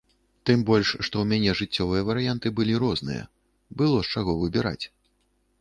Тым больш, што ў мяне жыццёвыя варыянты былі розныя, было з чаго выбіраць.